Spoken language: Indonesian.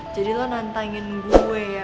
jadi lo nantangin gue ya